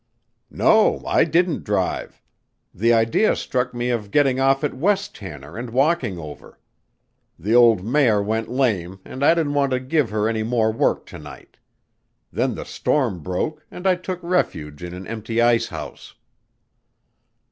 "No, I didn't drive. The idea struck me of getting off at West Tanner and walking over. The old mare went lame and I didn't want to give her any more work to night.... Then the storm broke and I took refuge in an empty ice house."